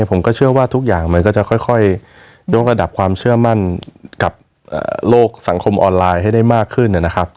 ผมก็เชื่อว่าทุกอย่างมันก็จะค่อยยกระดับความเชื่อมั่นกับโลกสังคมออนไลน์ให้ได้มากขึ้นนะครับ